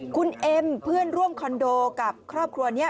คุณเอ็มเพื่อนร่วมคอนโดกับครอบครัวนี้